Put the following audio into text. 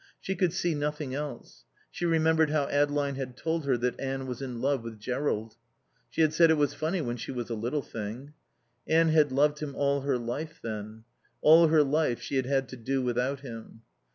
She could see nothing else. She remembered how Adeline had told her that Anne was in love with Jerrold. She had said, "It was funny when she was a little thing." Anne had loved him all her life, then. All her life she had had to do without him.